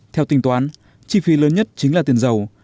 theo tình toán chi phí lớn nhất chính là tiền dầu